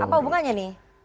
apa hubungannya ini